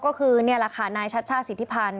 ก็คือนี่แหละค่ะนายชาชาศิษฐิพันธ์